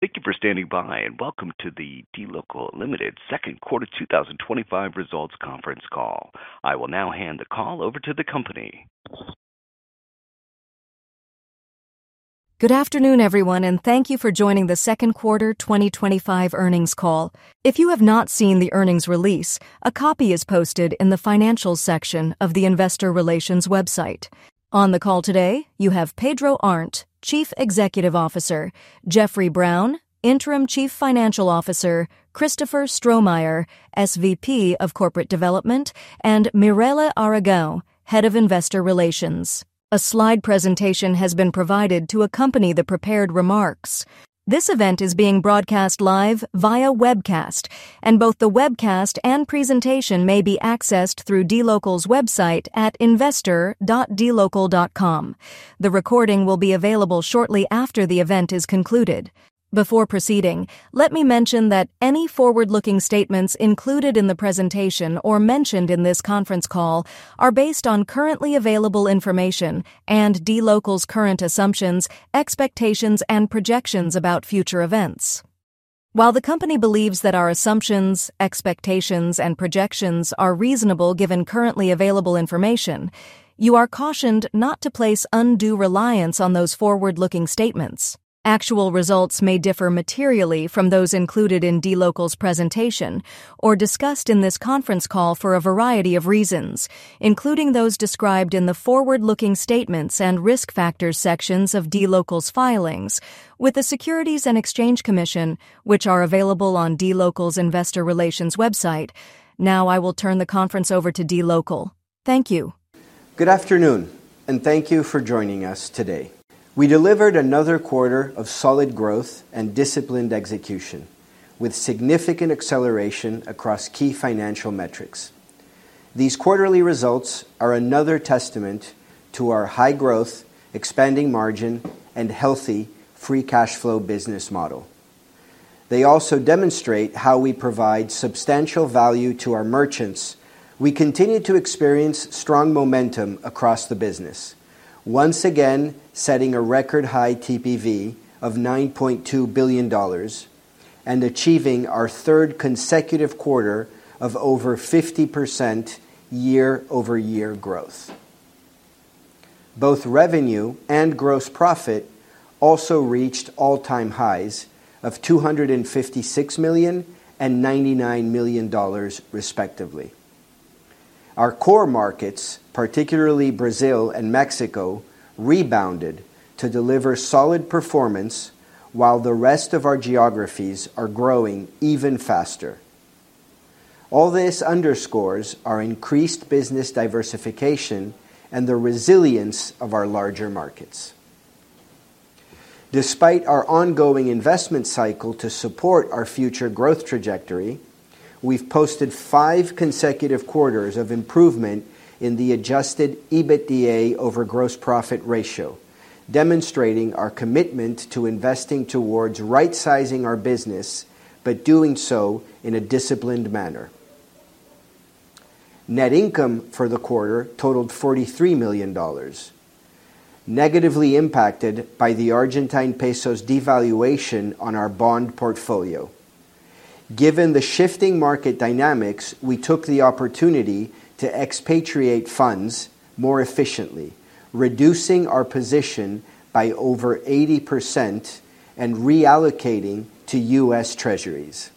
Thank you for standing by and welcome to the dLocal Ltd second quarter 2025 results conference call. I will now hand the call over to the company. Good afternoon everyone and thank you for joining the second quarter 2025 earnings call. If you have not seen the earnings release, a copy is posted in the Financials section of the Investor Relations website. On the call today you have Pedro Arnt, Chief Executive Officer, Jeffrey Brown, Interim Chief Financial Officer, Christopher Stromeyer, Senior Vice President of Corporate Development, and Mirele de Aragao, Head of Investor Relations. A slide presentation has been provided to accompany the prepared remarks. This event is being broadcast live via webcast, and both the webcast and presentation may be accessed through dLocal's website at investor.dlocal.com. The recording will be available shortly after the event is concluded. Before proceeding, let me mention that any forward-looking statements included in the presentation or mentioned in this conference call are based on currently available information and dLocal's current assumptions, expectations, and projections about future events. While the company believes that our assumptions, expectations, and projections are reasonable given currently available information, you are cautioned not to place undue reliance on those forward-looking statements. Actual results may differ materially from those included in dLocal's presentation or discussed in this conference call for a variety of reasons, including those described in the Forward-Looking Statements and Risk Factors sections of dLocal's filings with the Securities and Exchange Commission, which are available on dLocal's Investor Relations website. Now I will turn the conference over to dLocal. Thank you. Good afternoon and thank you for joining us. Today we delivered another quarter of solid growth and disciplined execution, with significant acceleration across key financial metrics. These quarterly results are another testament to our high growth, expanding margin, and healthy free cash flow business model. They also demonstrate how we provide substantial value to our merchants. We continue to experience strong momentum across the business, once again setting a record-high TPV of $9.2 billion and achieving our third consecutive quarter of over 50% year-over-year growth. Both revenue and gross profit also reached all-time highs of $256 million and $99 million, respectively. Our core markets, particularly Brazil and Mexico, rebounded to deliver solid performance, while the rest of our geographies are growing even faster. All this underscores our increased business diversification and the resilience of our larger markets. Despite our ongoing investment cycle to support our future growth trajectory, we've posted five consecutive quarters of improvement in the adjusted EBITDA over gross profit ratio, demonstrating our commitment to investing towards rightsizing our business but doing so in a disciplined manner. Net income for the quarter totaled $43 million, negatively impacted by the Argentine peso devaluation on our bond portfolio. Given the shifting market dynamics, we took the opportunity to expatriate funds more efficiently, reducing our position by over 80% and reallocating to U.S. treasuries.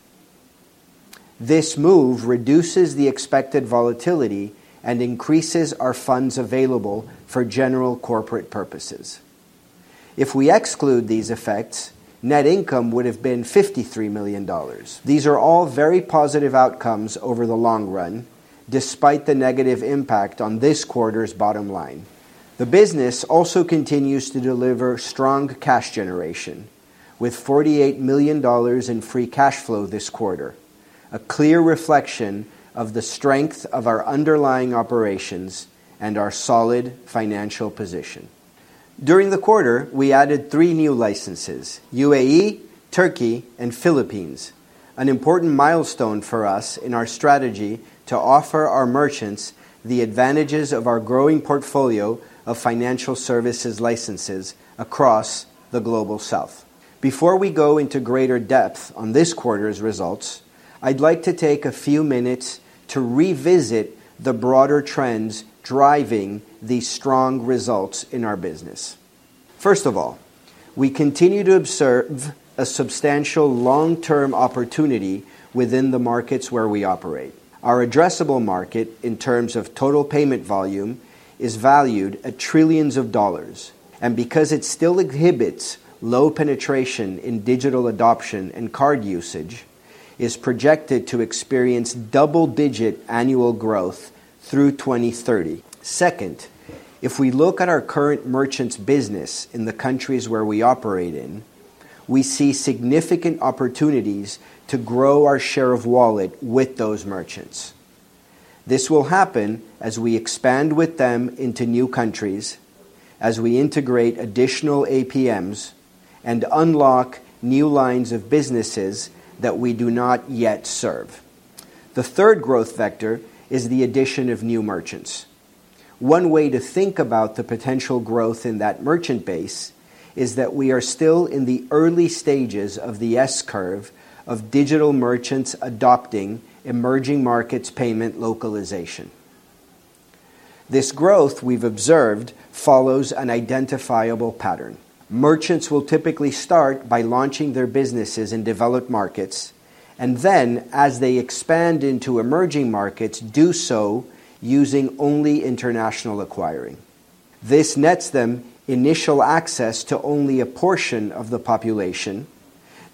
This move reduces the expected volatility and increases our funds available for general corporate purposes. If we exclude these effects, net income would have been $53 million. These are all very positive outcomes over the long run. Despite the negative impact on this quarter's bottom line, the business also continues to deliver strong cash generation with $48 million in free cash flow this quarter, a clear reflection of the strength of our underlying operations and our solid financial position. During the quarter, we added three new licenses: UAE, Turkey, and Philippines, an important milestone for us in our strategy to offer our merchants the advantages of our growing portfolio of financial services licenses across the global south. Before we go into greater depth on this quarter's results, I'd like to take a few minutes to revisit the broader trends driving these strong results in our business. First of all, we continue to observe a substantial long-term opportunity within the markets where we operate. Our addressable market in terms of total payment volume is valued at trillions of dollars, and because it still exhibits low penetration in digital adoption and card usage, is projected to experience double-digit annual growth through 2030. Second, if we look at our current merchants business in the countries where we operate in, we see significant opportunities to grow our share of wallet with those merchants. This will happen as we expand with them into new countries, as we integrate additional APMs and unlock new lines of businesses that we do not yet serve. The third growth vector is the addition of new merchants. One way to think about the potential growth in that merchant base is that we are still in the early stages of the S-curve of digital merchants adopting emerging markets payment localization. This growth, we've observed, follows an identifiable pattern. Merchants will typically start by launching their businesses in developed markets, and then, as they expand into emerging markets, do so using only international acquiring. This nets them initial access to only a portion of the population,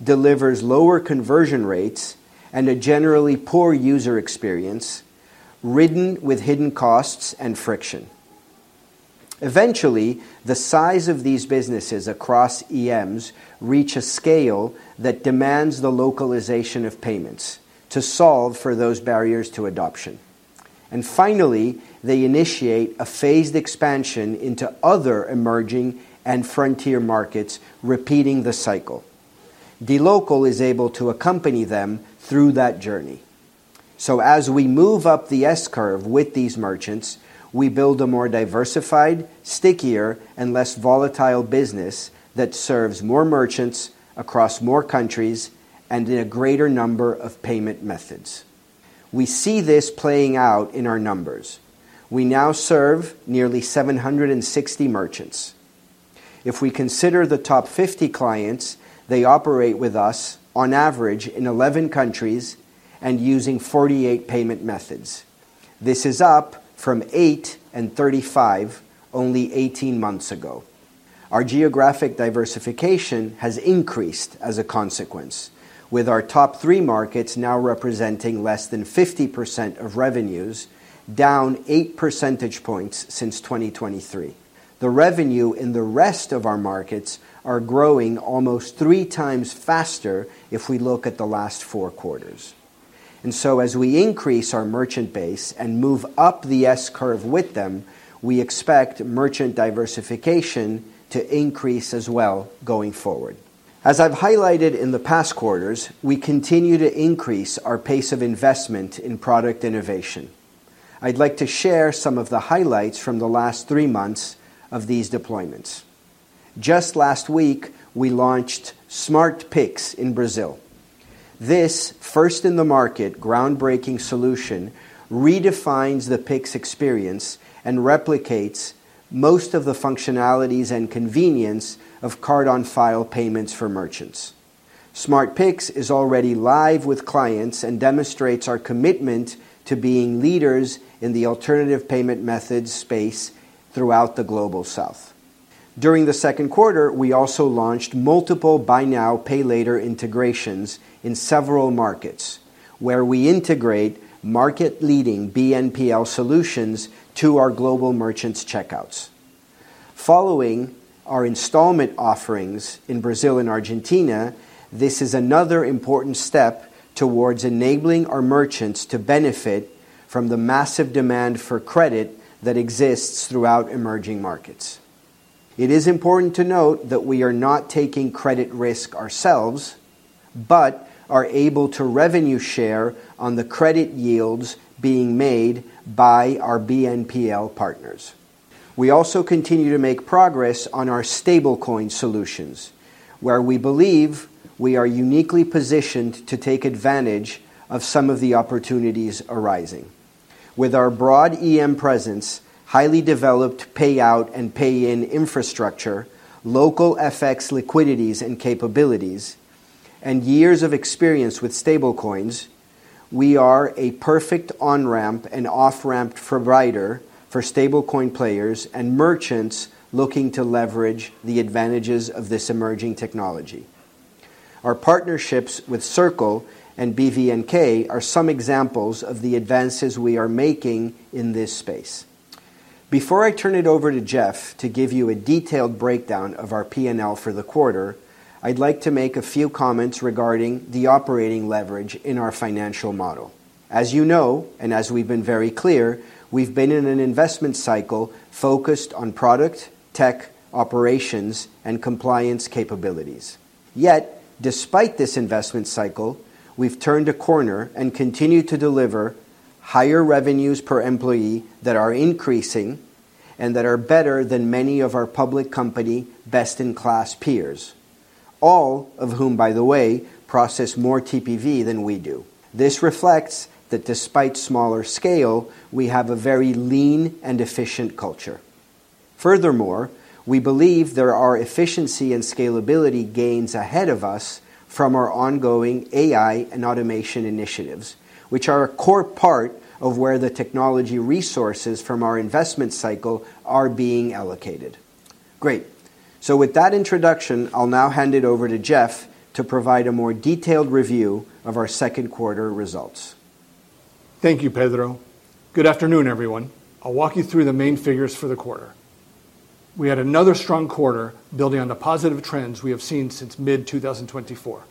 delivers lower conversion rates, and a generally poor user experience ridden with hidden costs and friction. Eventually, the size of these businesses across EMs reach a scale that demands the localization of payments to solve for those barriers to adoption, and finally they initiate a phased expansion into other emerging and frontier markets, repeating the cycle. dLocal is able to accompany them through that journey. As we move up the S-curve with these merchants, we build a more diversified, stickier, and less volatile business that serves more merchants across more countries and in a greater number of payment methods. We see this playing out in our numbers. We now serve nearly 760 merchants. If we consider the top 50 clients, they operate with us on average in 11 countries and using 48 payment methods. This is up from 8 and 35 only 18 months ago. Our geographic diversification has increased as a consequence, with our top three markets now representing less than 50% of revenues, down 8 percentage points since 2023. The revenue in the rest of our markets are growing almost three times faster if we look at the last four quarters. As we increase our merchant base and move up the S-curve with them, we expect merchant diversification to increase as well. Going forward, as I've highlighted in the past quarters, we continue to increase our pace of investment in product innovation. I'd like to share some of the highlights from the last 3 months of these deployments. Just last week, we launched SmartPix in Brazil. This first-in-the-market, groundbreaking solution redefines the Pix experience and replicates most of the functionalities and convenience of card-on-file payments for merchants. SmartPix is already live with clients and demonstrates our commitment to being leaders in the alternative payment methods space throughout the global south. During the second quarter, we also launched multiple Buy Now Pay Later integrations in several markets where we integrate market-leading BNPL solutions to our global merchants' checkouts, following our installment offerings in Brazil and Argentina. This is another important step towards enabling our merchants to benefit from the massive demand for credit that exists throughout emerging markets. It is important to note that we are not taking credit risk ourselves, but are able to revenue share on the credit yields being made by our BNPL partners. We also continue to make progress on our stablecoin solutions, where we believe we are uniquely positioned to take advantage of some of the opportunities arising with our broad EM presence, highly developed payout and pay-in infrastructure, local FX liquidities and capabilities, and years of experience with stablecoins. We are a perfect on-ramp and off-ramp provider for stablecoin players and merchants looking to leverage the advantages of this emerging technology. Our partnerships with Circle and BVNK are some examples of the advances we are making in this space. Before I turn it over to Jeff to give you a detailed breakdown of our P&L for the quarter, I'd like to make a few comments regarding the operating leverage in our financial model. As you know, and as we've been very clear, we've been in an investment cycle focused on product, tech, operations, and compliance capabilities. Yet, despite this investment cycle, we've turned a corner and continue to deliver higher revenues per employee that are increasing and that are better than many of our public company best-in-class peers, all of whom, by the way, process more TPV than we do. This reflects that despite smaller scale, we have a very lean and efficient culture. Furthermore, we believe there are efficiency and scalability gains ahead of us from our ongoing AI and automation initiatives, which are a core part of where the technology resources from our investment cycle are being allocated. Great. With that introduction, I'll now hand it over to Jeff to provide a more detailed review of our second quarter results. Thank you, Pedro. Good afternoon everyone. I'll walk you through the main figures for the quarter. We had another strong quarter, building on the positive trends we have seen since mid-2024.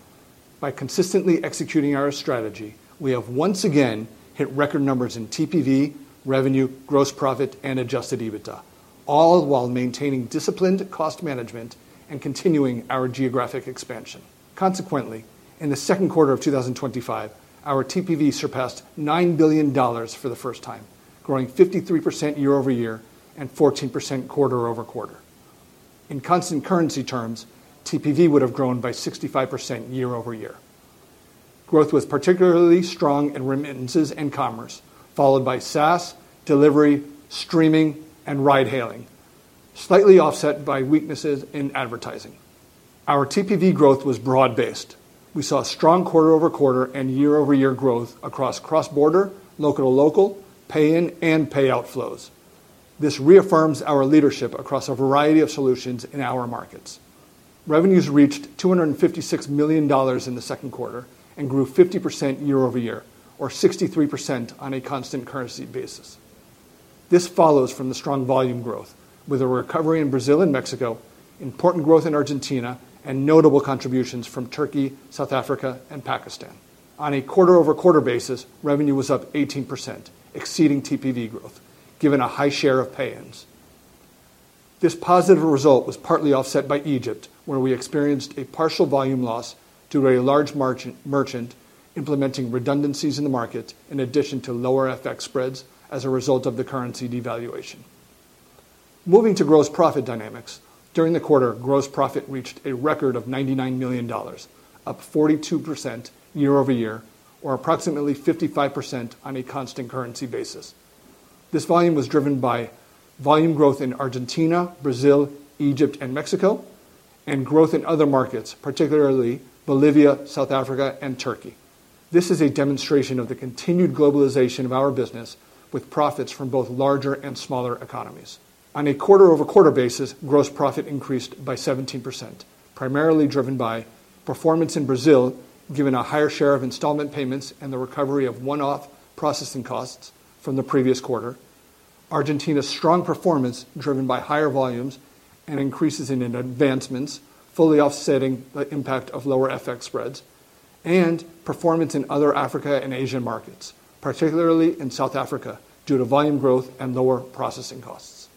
By consistently executing our strategy, we have once again hit record numbers in TPV, revenue, gross profit, and adjusted EBITDA, all while maintaining disciplined cost management and continuing our geographic expansion. Consequently, in the second quarter of 2025, our TPV surpassed $9 billion for the first time, growing 53% year-over-year and 14% quarter-over-quarter. In constant currency terms, TPV would have grown by 65% year-over-year. Growth was particularly strong in remittances and commerce, followed by SaaS, delivery, streaming, and ride-hailing, slightly offset by weaknesses in advertising. Our TPV growth was broad-based. We saw strong quarter-over-quarter and year-over-year growth across cross border, local-to-local pay-in, and payout flows. This reaffirms our leadership across a variety of solutions in our markets. Revenues reached $256 million in the second quarter and grew 50% year-over-year or 63% on a constant currency basis. This follows from the strong volume growth with a recovery in Brazil and Mexico, important growth in Argentina, and notable contributions from Turkey, South Africa, and Pakistan. On a quarter-over-quarter basis, revenue was up 18%, exceeding TPV growth given a high share of pay-ins. This positive result was partly offset by Egypt, where we experienced a partial volume loss due to a large merchant implementing redundancies in the market in addition to lower FX spreads as a result of the currency devaluation. Moving to gross profit dynamics during the quarter, gross profit reached a record of $99 million, up 42% year-over-year or approximately 55% on a constant currency basis. This was driven by volume growth in Argentina, Brazil, Egypt, and Mexico and growth in other markets, particularly Bolivia, South Africa, and Turkey. This is a demonstration of the continued globalization of our business with profits from both larger and smaller economies. On a quarter-over-quarter basis, gross profit increased by 17%, primarily driven by performance in Brazil given a higher share of installment payments and the recovery of one-off processing costs from the previous quarter. Argentina's strong performance driven by higher volumes and increases in advancements, fully offsetting the impact of lower FX spreads and performance in other Africa and Asian markets, particularly in South Africa due to volume growth and lower processing costs.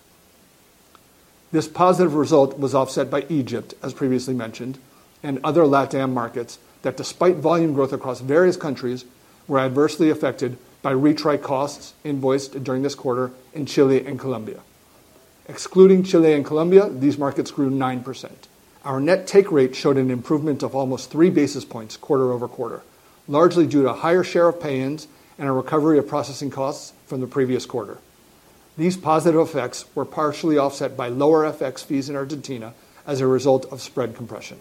This positive result was offset by Egypt as previously mentioned and other LatAm markets that despite volume growth across various countries, were adversely affected by retry costs invoiced during this quarter in Chile and Colombia. Excluding Chile and Colombia, these markets grew 9%. Our net take rate showed an improvement of almost 3 basis points quarter-over-quarter, largely due to higher share of pay ins and a recovery of processing costs from the previous quarter. These positive effects were partially offset by lower FX fees in Argentina as a result of spread compression.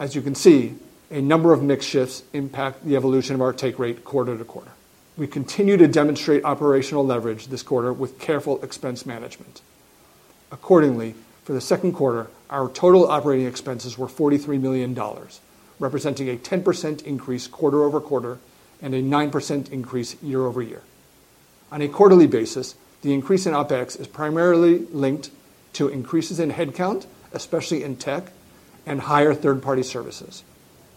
As you can see, a number of mix shifts impact the evolution of our take rate quarter-to-quarter. We continue to demonstrate operational leverage this quarter with careful expense management. Accordingly, for the second quarter our total operating expenses were $43 million, representing a 10% increase quarter-over-quarter and a 9% increase year-over-year on a quarterly basis. The increase in OpEx is primarily linked to increases in headcount, especially in tech and higher third-party services.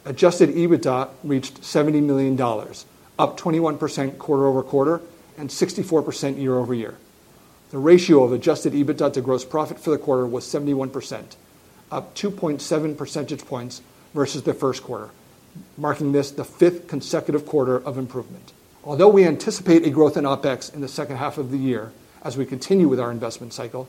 Adjusted EBITDA reached $70 million, up 21% quarter-over-quarter and 64% year-over-year. The ratio of adjusted EBITDA to gross profit for the quarter was 71%, up 2.7 percentage points versus the first quarter, marking this the fifth consecutive quarter of improvement. Although we anticipate a growth in OpEx in the second half of the year as we continue with our investment cycle,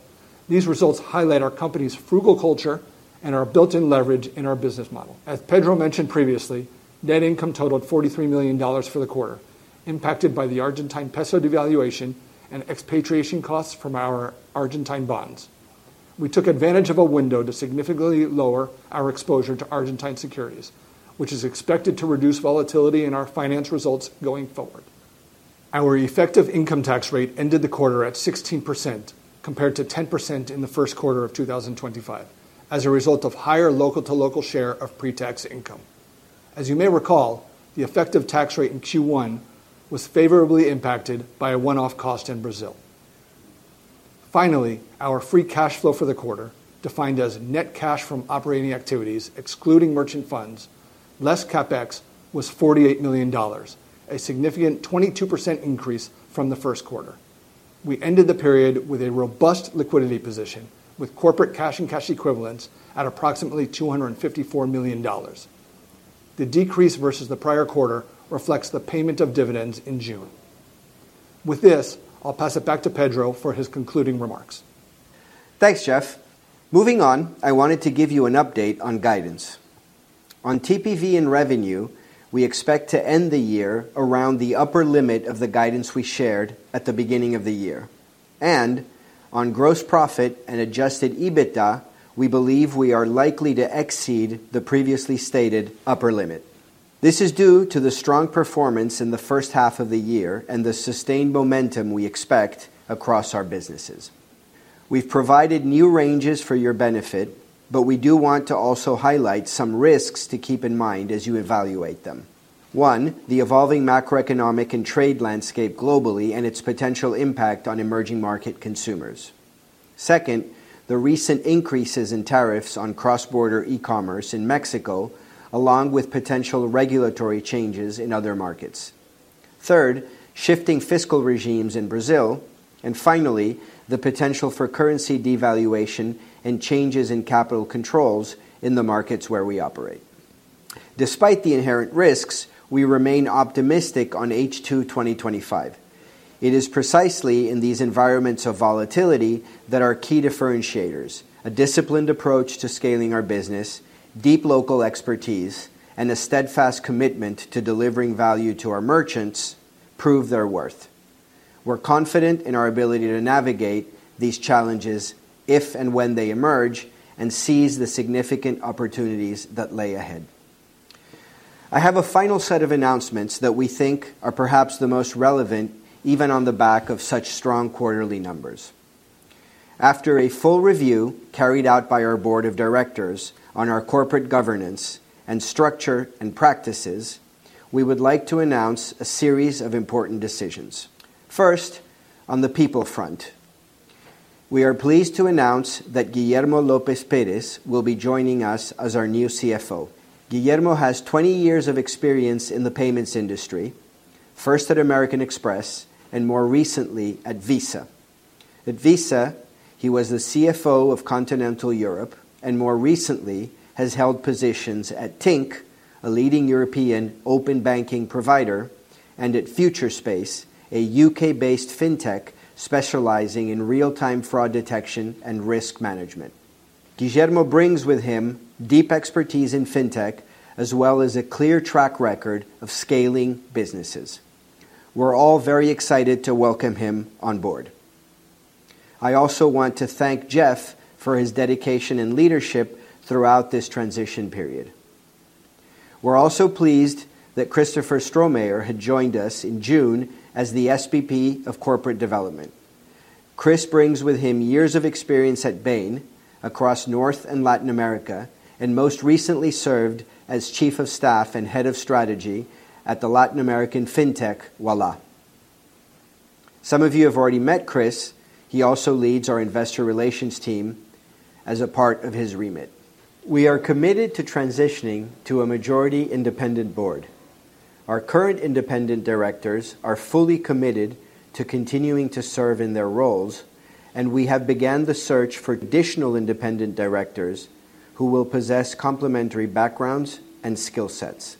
these results highlight our company's frugal culture and our built in leverage in our business model. As Pedro mentioned previously, net income totaled $43 million for the quarter, impacted by the Argentine peso devaluation and expatriation costs from our Argentine bonds. We took advantage of a window to significantly lower our exposure to Argentine securities, which is expected to reduce volatility in our finance results going forward. Our effective income tax rate ended the quarter at 16% compared to 10% in the first quarter of 2025 as a result of higher local-to-local share of pre-tax income. As you may recall, the effective tax rate in Q1 was favorably impacted by a one-off cost in Brazil. Finally, our free cash flow for the quarter defined as net cash from operating activities excluding merchant funds less CapEx was $48 million, a significant 22% increase from the first quarter. We ended the period with a robust liquidity position with corporate cash and cash equivalents at approximately $254 million. The decrease versus the prior quarter reflects the payment of dividends in June. With this, I'll pass it back to Pedro for his concluding remarks. Thanks Jeff. Moving on, I wanted to give you an update on guidance on TPV and revenue. We expect to end the year around the upper limit of the guidance we shared at the beginning of the year and on gross profit and adjusted EBITDA. We believe we are likely to exceed the previously stated upper limit. This is due to the strong performance in the first half of the year and the sustained momentum we expect across our businesses. We've provided new ranges for your benefit, but we do want to also highlight some risks to keep in mind as you evaluate them. First, the evolving macroeconomic and trade landscape globally and its potential impact on emerging market consumers. Second, the recent increases in tariffs on cross-border e-commerce in Mexico, along with potential regulatory changes in other markets. Third, shifting fiscal regimes in Brazil, and finally the potential for currency devaluation and changes in capital controls in the markets where we operate. Despite the inherent risks, we remain optimistic on H2 2025. It is precisely in these environments of volatility that our key differentiators, a disciplined approach to scaling our business, deep local expertise, and a steadfast commitment to delivering value to our merchants, prove their worth. We're confident in our ability to navigate these challenges if and when they emerge and seize the significant opportunities that lay ahead. I have a final set of announcements that we think are perhaps the most relevant, even on the back of such strong quarterly numbers. After a full review carried out by our Board of Directors on our corporate governance and structure and practices, we would like to announce a series of important decisions. First, on the people front, we are pleased to announce that Guillermo López Pérez will be joining us as our new CFO. Guillermo has 20 years of experience in the payments industry, first at American Express and more recently at Visa. At Visa, he was the CFO of Continental Europe and more recently has held positions at Tink, a leading European open banking provider, and at Featurespace, a U.K.-based fintech specializing in real-time fraud detection and risk management. Guillermo brings with him deep expertise in fintech as well as a clear track record of scaling businesses. We're all very excited to welcome him on board. I also want to thank Jeff for his dedication and leadership throughout this transition period. We're also pleased that Christopher Stromeyer had joined us in June as the SVP of Corporate Development. Chris brings with him years of experience at Bain across North and Latin America and most recently served as Chief of Staff and Head of Strategy at the Latin American fintech Ualá. Some of you have already met Chris. He also leads our Investor Relations team. As a part of his remit, we are committed to transitioning to a majority independent board. Our current independent directors are fully committed to continuing to serve in their roles. We have begun the search for additional independent directors who will possess complementary backgrounds and skill sets.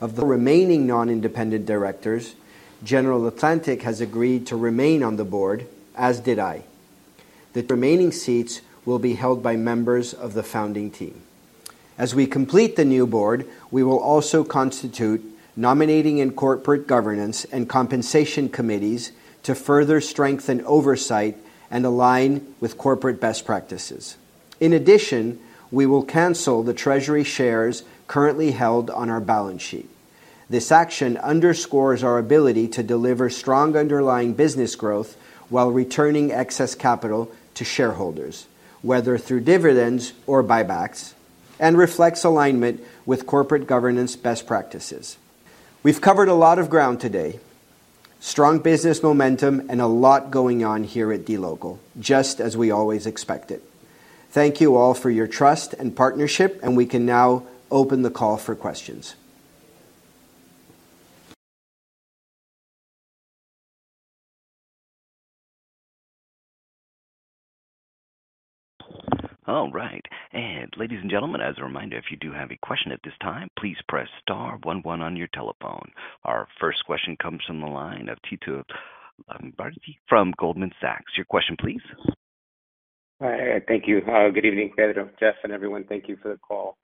Of the remaining non-independent directors, General Atlantic has agreed to remain on the Board, as did I. The remaining seats will be held by members of the founding team as we complete the new Board. We will also constitute Nominating and Corporate Governance and Compensation Committees to further strengthen oversight and align with corporate best practices. In addition, we will cancel the treasury shares currently held on our balance sheet. This action underscores our ability to deliver strong underlying business growth while returning excess capital to shareholders, whether through dividends or buybacks, and reflects alignment with corporate governance best practices. We've covered a lot of ground today. Strong business momentum and a lot going on here at dLocal, just as we always expected. Thank you all for your trust and partnership and we can now open the call for questions. All right. Ladies and gentlemen, as a reminder, if you do have a question at this time, please press star one one on your telephone. Our first question comes from the line of Tito Labarta from Goldman Sachs. Your question please. Thank you. Good evening Pedro, Jeff, and everyone. Thank you for the call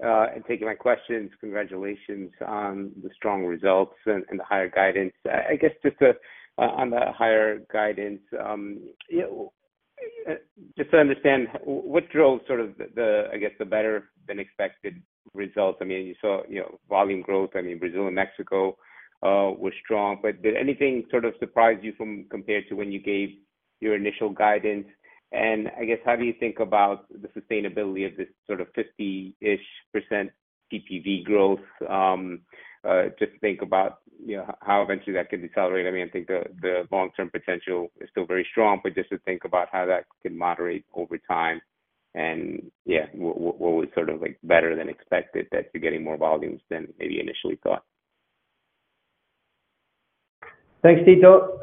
and taking my questions. Congratulations on the strong results and the higher guidance. I guess just on the guidance. Just. To understand what drove sort of the, I guess the better-than-expected result. You saw, you know, volume growth. Brazil and Mexico were strong, but did anything sort of surprise you compared to when you gave your initial guidance? I guess how do you think about the sustainability of this sort of 50%-ish TPV growth? Just think about, you know, how eventually that can be tolerated. I think the long-term potential is still very strong, but just to think about how that can moderate over time, and yeah, what was sort of like better-than-expected that you're getting more volumes than you initially thought. Thanks, Tito.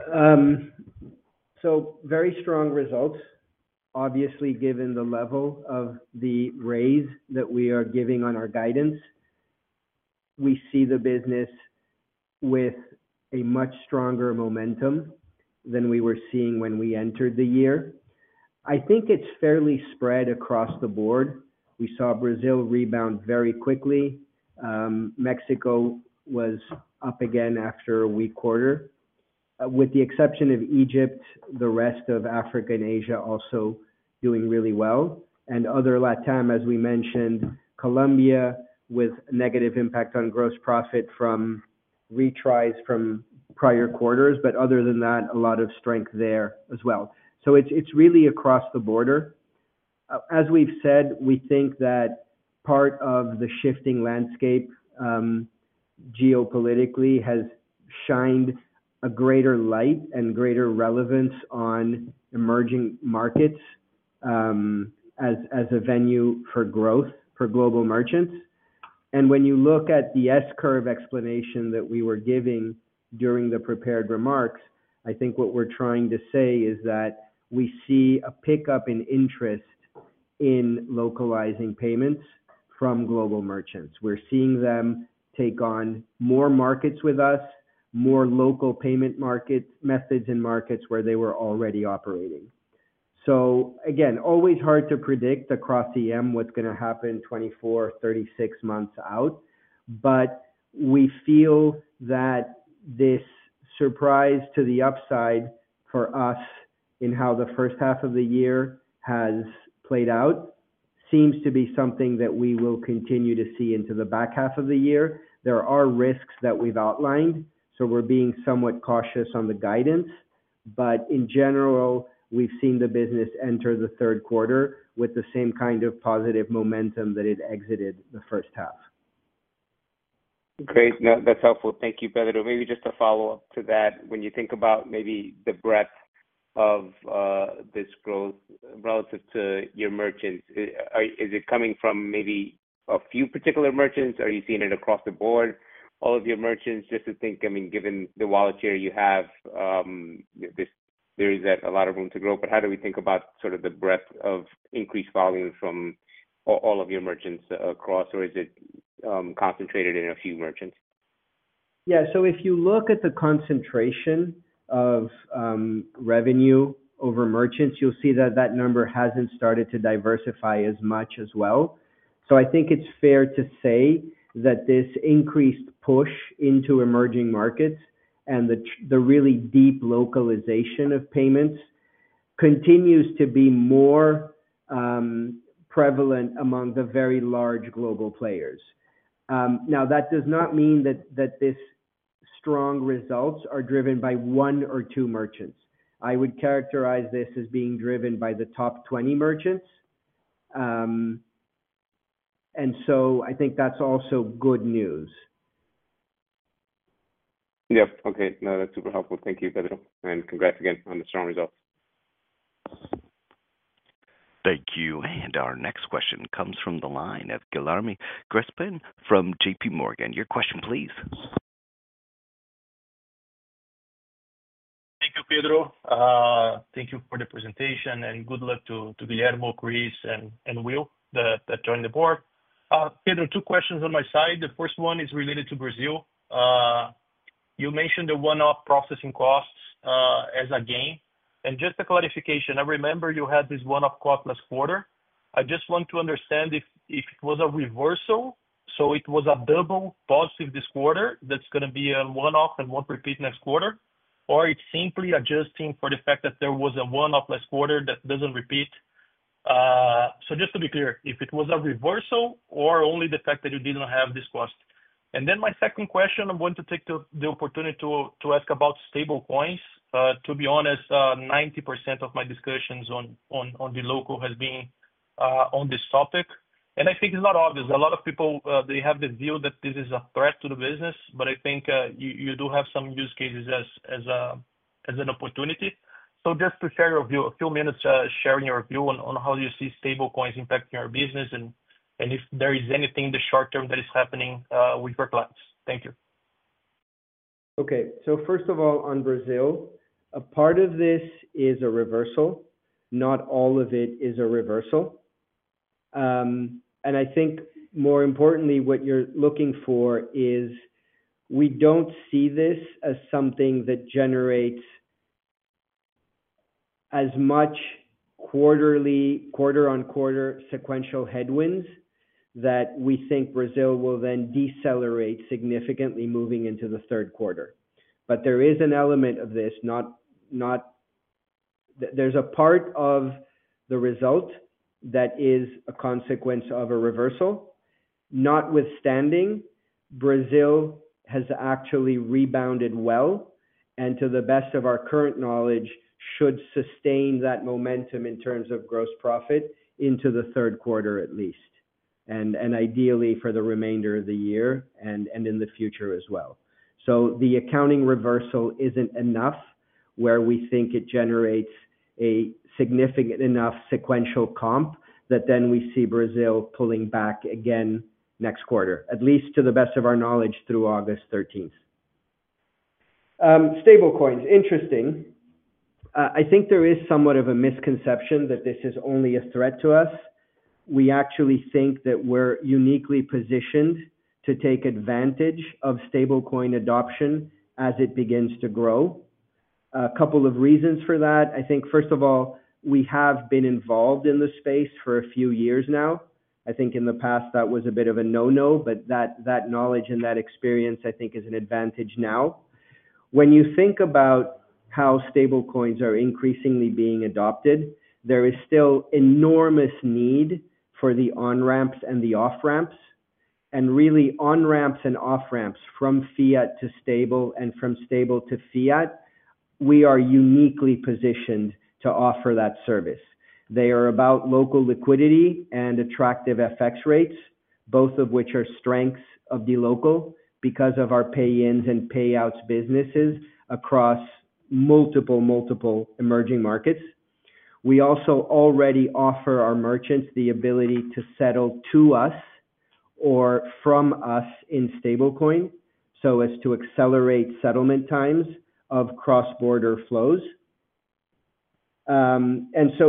Very strong results. Obviously, given the level of the raise that we are giving on our guidance, we see the business with a much stronger momentum than we were seeing when we entered the year. I think it's fairly spread across the board. We saw Brazil rebound very quickly. Mexico was up again after a weak quarter, with the exception of Egypt. The rest of Africa and Asia also doing really well. Other LatAm, as we mentioned, Colombia with negative impact on gross profit from retries from prior quarters. Other than that, a lot of strength there as well. It is really across the board, as we've said. We think that part of the shifting landscape geopolitically has shined a greater light and greater relevance on emerging markets as a venue for growth for global merchants. When you look at the S-curve explanation that we were giving during the prepared remarks, I think what we're trying to say is that we see a pickup in interest in localizing payments from global merchants. We're seeing them take on more markets with us, more local payment methods in markets where they were already operating. Always hard to predict across EM what's going to happen 24, 36 months out. We feel that this surprise to the upside for us in how the first half of the year has played out seems to be something that we will continue to see into the back half of the year. There are risks that we've outlined, so we're being somewhat cautious on the guidance. In general, we've seen the business enter the third quarter with the same kind of positive momentum that it exited the first half. Great, that's helpful. Thank you, Pedro. Maybe just a follow-up to that. When you think about maybe the breadth of this growth relative to your merchants, is it coming from maybe a few particular merchants? Are you seeing it across the board, all of your merchants? Just to think, I mean, given the wallet here, you have this, there is a lot of room to grow. How do we think about the breadth of increased volume from all of your merchants across, or is it concentrated in a few merchants? If you look at the concentration of revenue over merchants, you'll see that that number hasn't started to diversify as much as well. I think it's fair to say that this increased push into emerging markets and the really deep localization of payments continues to be more prevalent among the very large global players. That does not mean that this strong results are driven by one or two merchants. I would characterize this as being driven by the top 20 merchants, and I think that's also good news. Yep. Okay, no, that's super helpful. Thank you, Pedro. And congrats again on the strong result. Thank you. Our next question comes from the line of Guilherme Grespan from JPMorgan. Your question please. Thank you, Pedro. Thank you for the presentation and good luck to Guillermo, Chris, and Will that join the board. Pedro, two questions on my side. The first one is related to Brazil. You mentioned the one-off processing cost as a gain. Just a clarification, I remember you had this one-off cost last quarter. I just want to understand if it was a reversal. Was it a double-positive this quarter that's going to be a one-off and won't repeat next quarter, or is it simply adjusting for the fact that there was a one-off last quarter that doesn't repeat? Just to be clear, was it a reversal or only the fact that you didn't have this cost? My second question, I'm going to take the opportunity to ask about stablecoins. To be honest, 90% of my discussions on dLocal have been on this topic and I think it's not obvious. A lot of people have the view that this is a threat to the business, but I think you do have some use cases as an opportunity. Please prepare a few minutes sharing your view on how you see stablecoins impacting our business and if there is anything in the short term that is happening with our clients. Thank you. Okay, so first of all, on Brazil, a part of this is a reversal, not all of it is a reversal. I think more importantly what you're looking for is we don't see this as something that generates as much quarterly quarter-on-quarter sequential headwinds that we think Brazil will then decelerate significantly moving into the third quarter. There is an element of this. There's a part of the result that is a consequence of a reversal. Notwithstanding, Brazil has actually rebounded well and to the best of our current knowledge should sustain that momentum in terms of gross profit into the third quarter at least and ideally for the remainder of the year and in the future as well. The accounting reversal isn't enough where we think it generates a significant enough sequential comp that then we see Brazil pulling back again next quarter, at least to the best of our knowledge, through August 13. Stablecoins. Interesting. I think there is somewhat of a misconception that this is only a threat to us. We actually think that we're uniquely positioned to take advantage of stablecoin adoption as it begins to grow. A couple of reasons for that. I think first of all, we have been involved in the space for a few years now. I think in the past that was a bit of a no, no. That knowledge and that experience I think is an advantage. Now when you think about how stablecoins are increasingly being adopted, there is still enormous need for the on-ramps and the off-ramps and really on-ramps and off-ramps from fiat to stable and from stable to fiat. We are uniquely positioned to offer that service. They are about local liquidity and attractive FX rates, both of which are strengths of dLocal. Because of our pay-ins and payouts businesses across multiple, multiple emerging markets, we also already offer our merchants the ability to settle to us or from us in stablecoin so as to accelerate settlement times of cross-border flows.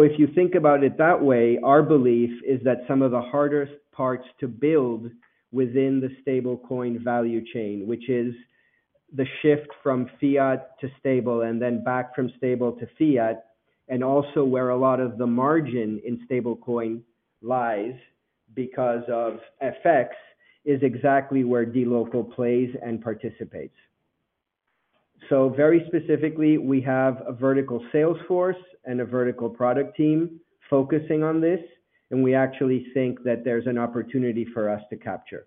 If you think about it that way, our belief is that some of the hardest parts to build within the stablecoin value chain, which is the shift from fiat to stable and then back from stable to fiat and also where a lot of the margin in stablecoin lies because of FX, is exactly where dLocal plays and participates. Very specifically we have a vertical sales force and a vertical product team focusing on this. We actually think that there's an opportunity for us to capture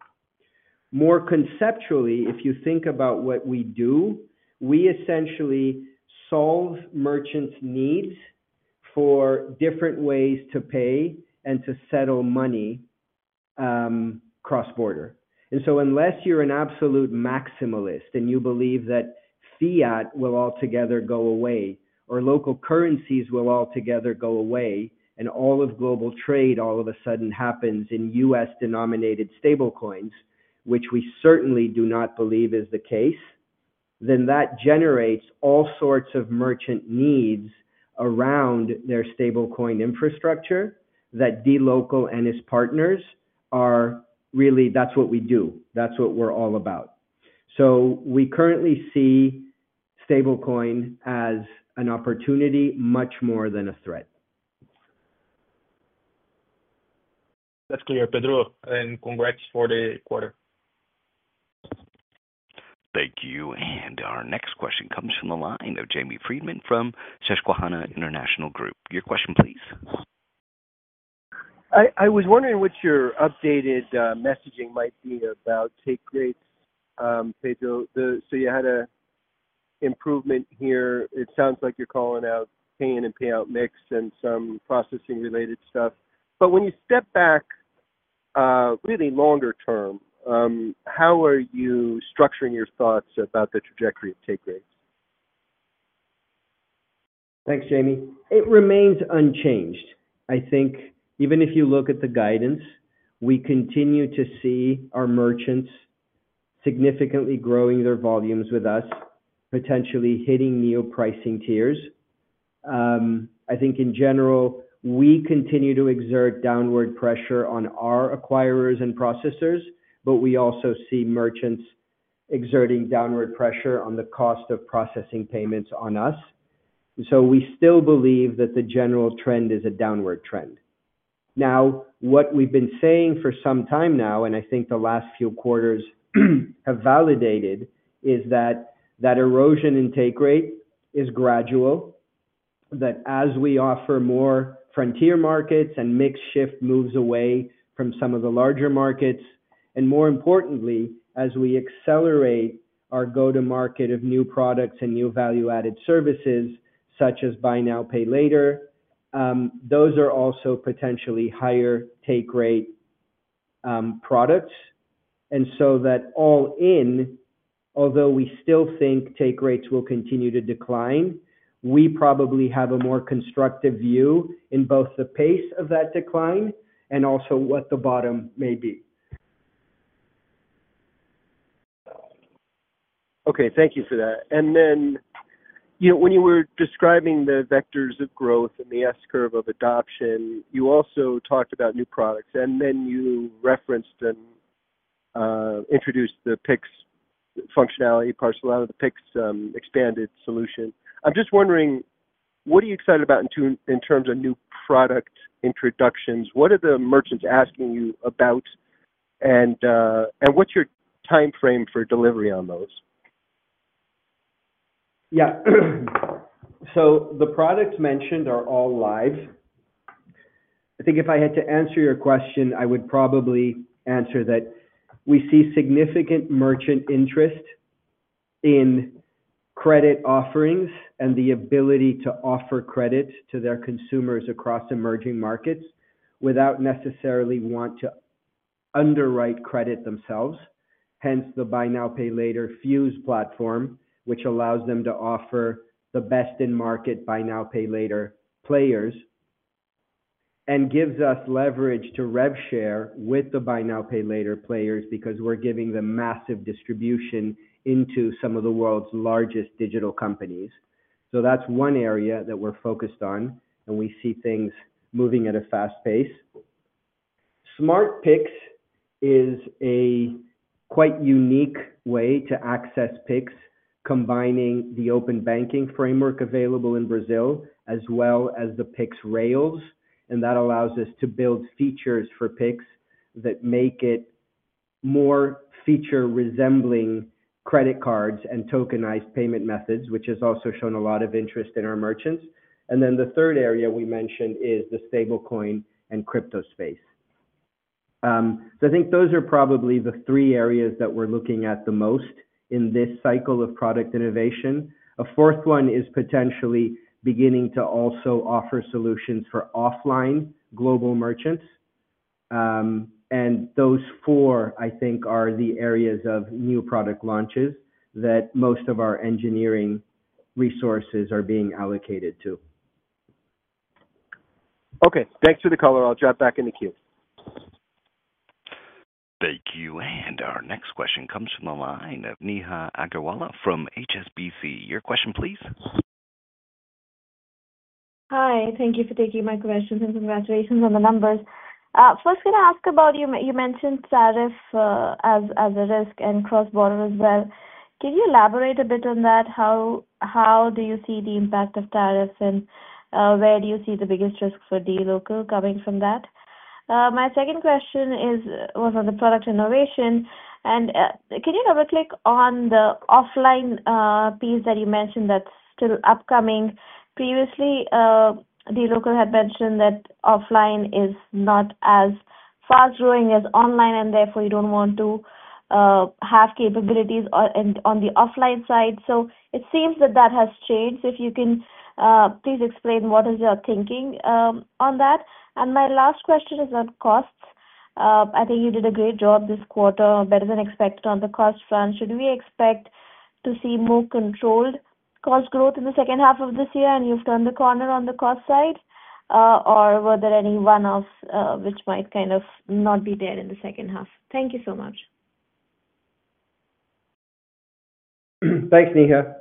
more. Conceptually, if you think about what we do, we essentially solve merchants' needs for different ways to pay and to settle money cross-border. Unless you're an absolute maximalist and you believe that fiat will altogether go away or local currencies will altogether go away and all of global trade all of a sudden happens in U.S.-denominated stablecoins, which we certainly do not believe is the case, that generates all sorts of merchant needs around their stablecoin infrastructure. dLocal and its partners are really, that's what we do, that's what we're all about. We currently see stablecoin as an opportunity much more than a threat. That's clear, Pedro, and congrats for the quarter. Thank you. Our next question comes from the line of Jamie Friedman from Susquehanna International Group. Your question please. I was wondering what your updated messaging might be about take rate, Pedro. You had an improvement here. It sounds like you're calling out pay-in and payout mix and some processing-related stuff. When you step back, really longer-term, how are you structuring your thoughts about the trajectory of take rates? Thanks, Jamie. It remains unchanged. I think even if you look at the guidance, we continue to see our merchants significantly growing their volumes with us, potentially hitting new pricing tiers. I think in general we continue to exert downward pressure on our acquirers and processors, but we also see merchants exerting downward pressure on the cost of processing payments on us. We still believe that the general trend is a downward trend. What we've been saying for some time now, and I think the last few quarters have validated, is that that erosion in take rate is gradual, that as we offer more frontier markets and mix shift moves away from some of the larger markets and, more importantly, as we accelerate our go-to market of new products and new value-added services such as Buy Now Pay Later, those are also potentially higher take rate products. That all in, although we still think take rates will continue to decline, we probably have a more constructive view in both the pace of that decline and also what the bottom may be. Okay, thank you for that. When you were describing the vectors of growth and the S-curve of adoption, you also talked about new products and then you referenced and introduced the Pix functionality parcel out of the Pix expanded solution. I'm just wondering what are you excited about in terms of new product introductions? What are the merchants asking you about and what's your time frame for delivery on those? Yeah, so the products mentioned are all live. I think if I had to answer your question, I would probably answer that we see significant merchant interest in credit offerings and the ability to offer credit to their consumers across emerging markets without necessarily wanting to underwrite credit themselves. Hence the Buy Now Pay Later Fuse platform, which allows them to offer the best in market Buy Now Pay Later players and gives us leverage to rev share with the Buy Now Pay Later players because we're giving them massive distribution into some of the world's largest digital companies. That's one area that we're focused on, and we see things moving at a fast pace. SmartPix is a quite unique way to access Pix, combining the open banking framework available in Brazil as well as the Pix rails. That allows us to build features for Pix that make it more feature resembling credit cards and tokenized payment methods, which has also shown a lot of interest in our merchants. The third area we mentioned is the stablecoin and crypto space. I think those are probably the three areas that we're looking at the most in this cycle of product innovation. A fourth one is potentially beginning to also offer solutions for offline global merchants. Those four, I think, are the areas of new product launches that most of our engineering resources are being allocated to. Okay, thanks for the call. I'll drop back in the queue. Thank you. Our next question comes from the line of Neha Agarwala from HSBC. Your question, please. Hi, thank you for taking my questions and congratulations on the numbers. First, can I ask about you? You mentioned tariff as a risk and cross border as well. Can you elaborate a bit on that? How do you see the impact of tariffs and where do you see the biggest risk for dLocal coming from that? My second question is on the product innovation and can you double-click on the offline piece that you mentioned that's still upcoming. Previously dLocal had mentioned that offline is not as fast growing as online and therefore you don't want to have capabilities on the offline side. It seems that that has changed. If you please explain what is your thinking on that? My last question is on costs. I think you did a great job this quarter, better-than-expected. On the cost front, should we expect to see more controlled cost growth in the second half of this year and you've turned the corner on the cost side or were there any one-offs which might kind of not be there in the second half? Thank you so much. Thanks, Neha.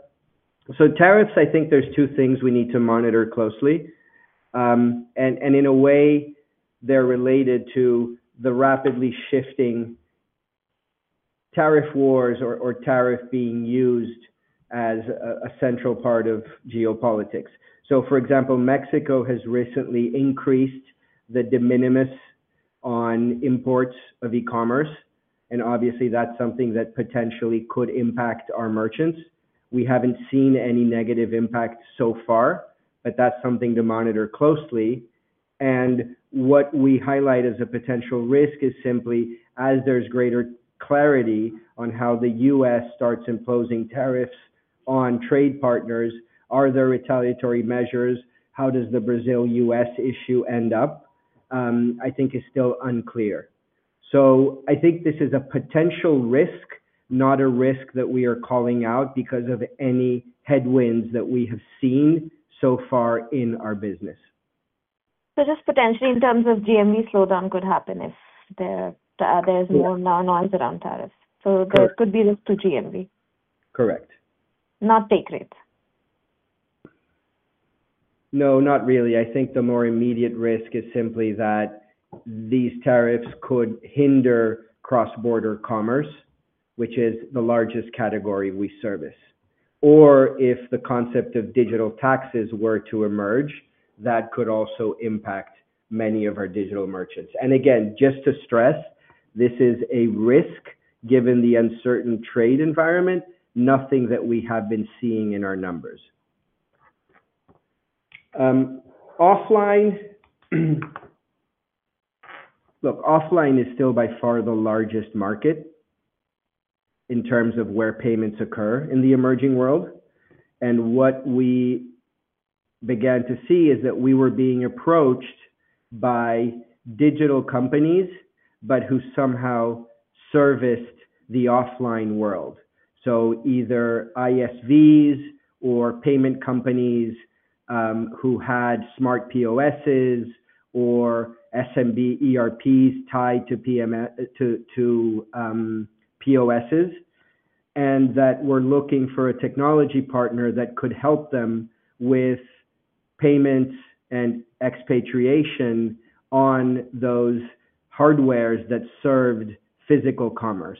Tariffs, I think there's two things we need to monitor closely, and in a way they're related to the rapidly shifting tariff wars or tariffs being used as a central part of geopolitics. For example, Mexico has recently increased the de minimis on imports of e-commerce, and obviously that's something that potentially could impact our merchants. We haven't seen any negative impact so far, but that's something to monitor closely. What we highlight as a potential risk is simply as there's greater clarity on how the U.S. starts imposing tariffs on trade partners. Are there retaliatory measures? How does the Brazil-U.S. issue end up, I think is still unclear. I think this is a potential risk, not a risk that we are calling out because of any headwinds that we have seen so far in our business. Just potentially in terms of GMV slowdown, it could happen if there's more noise around tariffs. There could be risk to GMV? Correct. Not take rate? No, not really. I think the more immediate risk is simply that these tariffs could hinder cross-border commerce, which is the largest category we service. If the concept of digital taxes were to emerge, that could also impact many of our digital merchants. Again, just to stress, this is a risk given the uncertain trade environment, nothing that we have been seeing in our numbers. Offline is still by far the largest market in terms of where payments occur in the emerging world. What we began to see is that we were being approached by digital companies who somehow serviced the offline world, either ISVs or payment companies who had smart POSs or SMB ERPs tied to POSs and that were looking for a technology partner that could help them with payments and expatriation on those hardwares that served physical commerce.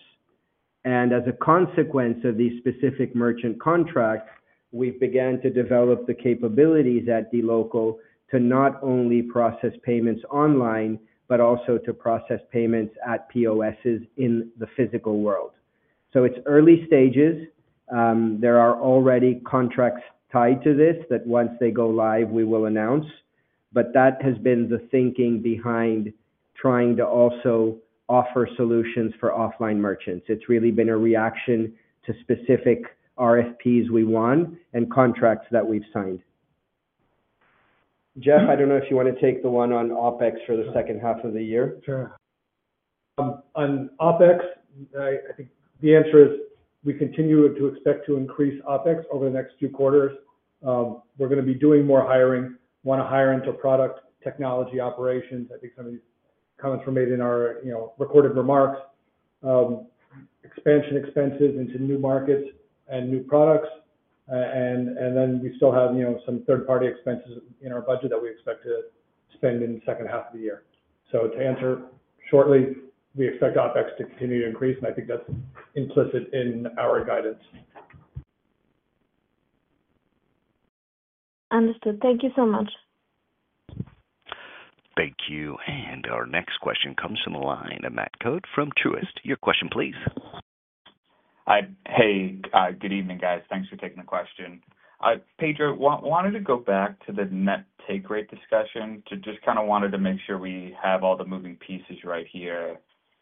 As a consequence of these specific merchant contracts, we began to develop the capabilities at dLocal to not only process payments online, but also to process payments at POSs in the physical world. It's early stages. There are already contracts tied to this that, once they go live, we will announce. That has been the thinking behind trying to also offer solutions for offline merchants. It's really been a reaction to specific RFPs we won and contracts that we've signed. Jeff, I don't know if you want to take the one on OpEx for the second half of the year. Sure. On OpEx, I think the answer is we continue to expect to increase OpEx over the next few quarters. We're going to be doing more hiring. Want to hire into product, technology, operations. I think some of these comments were made in our recorded remarks. Expansion expenses into new markets and new products, and then we still have some third-party expenses in our budget that we expect to spend in the second half of the year. To answer shortly, we expect OpEx to continue to increase, and I think that's implicit in our guidance. Understood. Thank you so much. Thank you. Our next question comes from the line of Matt Coad from Truist. Your question please. Hey, good evening guys. Thanks for taking the question. Pedro, wanted to go back to the net take rate discussion to just kind of make sure we have all the moving pieces right here,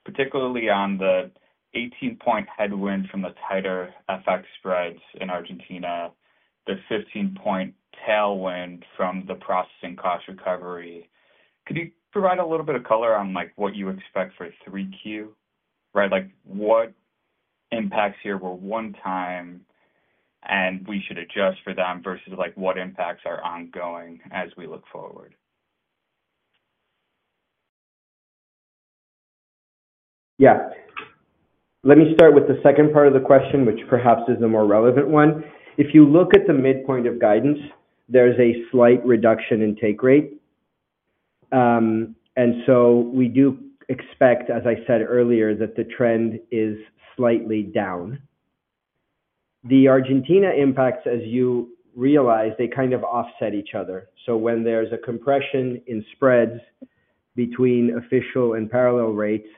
particularly on the 18% headwind from the tighter FX spreads in Argentina, the 15% tailwind from the processing cost recovery. Could you provide a little bit of. Color on what you expect for 3Q? What impacts here were one time and we should adjust for them versus what impacts are ongoing as we look forward. Let me start with the second part of the question, which perhaps is a more relevant one. If you look at the midpoint of guidance, there's a slight reduction in take rate, and we do expect, as I said earlier, that the trend is slightly down. The Argentina impacts, as you realize, kind of offset each other. When there's a compression in spreads between official and parallel rates,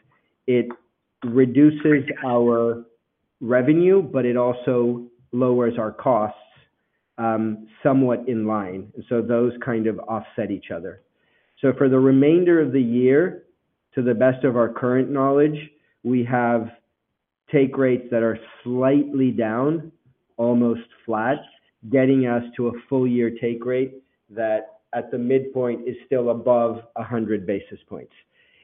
it reduces our revenue, but it also lowers our costs somewhat in line, so those offset each other. For the remainder of the year, to the best of our current knowledge, we have take rates that are slightly down, almost flat, getting us to a full year take rate that at the midpoint is still above 100 basis points.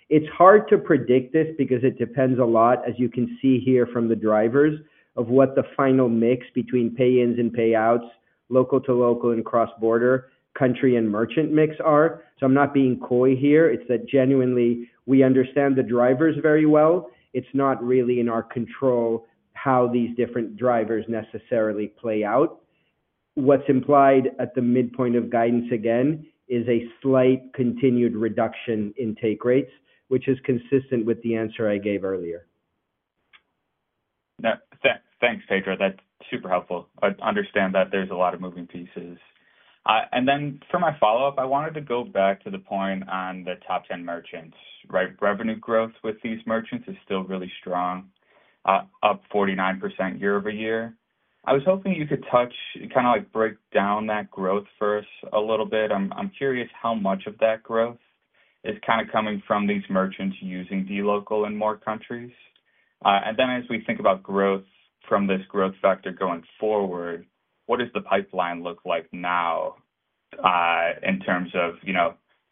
It's hard to predict this because it depends a lot, as you can see here, on the drivers of what the final mix between pay-ins and payouts, local-to-local and cross-border, country and merchant mix are. I'm not being coy here. We understand the drivers very well. It's not really in our control how these different drivers necessarily play out. What's implied at the midpoint of guidance, again, is a slight continued reduction in take rates, which is consistent with the answer I gave earlier. Thanks, Pedro, that's super helpful. I understand that there's a lot of moving pieces. For my follow-up, I wanted to go back to the point on the top 10 merchants. Revenue growth with these merchants is still really strong, up 49% year-over-year. I was hoping you could touch, kind of like break down that growth for us a little bit. I'm curious how much of that growth is kind of coming from these merchants using dLocal in more countries. As we think about growth from this growth factor going forward, what does the pipeline look like now in terms of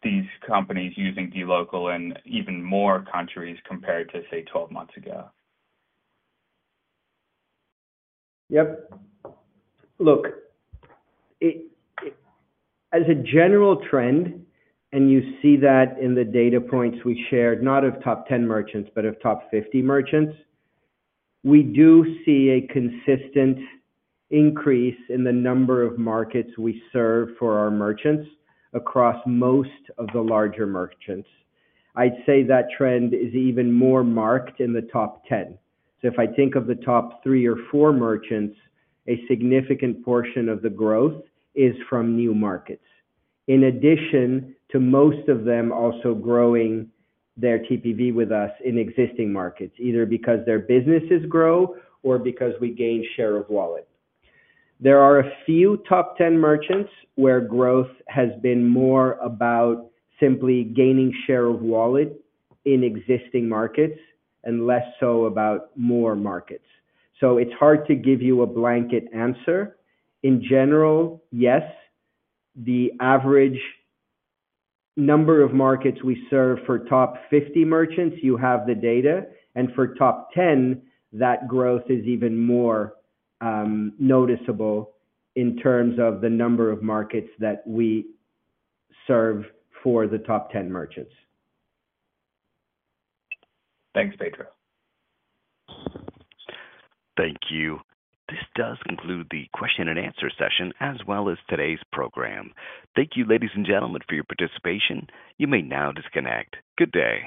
these companies using dLocal in even more countries compared to, say, 12 months ago? Yep. Look at it as a general trend. You see that in the data points we shared, not of top 10 merchants, but of top 50 merchants, we do see a consistent increase in the number of markets we serve for our merchants across most of the larger merchants. I'd say that trend is even more marked in the top 10. If I think of the top three or four merchants, a significant portion of the growth is from new markets. In addition to most of them also growing their TPV with us in existing markets, either because their businesses grow or because we gain share of wallet. There are a few top 10 merchants where growth has been more about simply gaining share of wallet in existing markets and less so about more markets. It's hard to give you a blanket answer. In general, yes, the average number of markets we serve for top 50 merchants, you have the data. For top 10, that growth is even more noticeable in terms of the number of markets that we serve for the top 10 merchants. Thanks, Pedro. Thank you. This does include the question and answer session as well as today's program. Thank you, ladies and gentlemen, for your participation. You may now disconnect. Good day.